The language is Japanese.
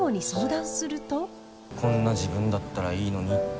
「こんな自分だったらいいのに」って。